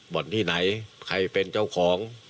บ่อนที่ไหนใครเป็นเจ้าของ